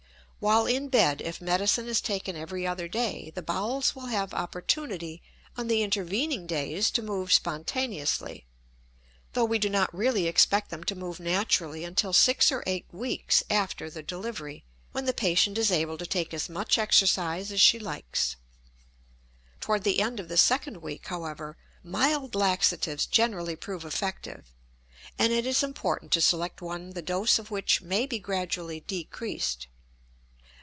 While in bed if medicine is taken every other day the bowels will have opportunity on the intervening days to move spontaneously, though we do not really expect them to move naturally until six or eight weeks after the delivery, when the patient is able to take as much exercise as she likes. Toward the end of the second week, however, mild laxatives generally prove effective, and it is important to select one the dose of which may be gradually decreased.